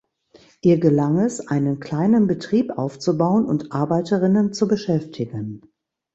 Ihr gelang es einen kleinen Betrieb aufzubauen und Arbeiterinnen zu beschäftigen.